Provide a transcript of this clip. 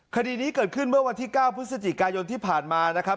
คดีนี้เกิดขึ้นเมื่อวันที่๙พฤศจิกายนที่ผ่านมานะครับ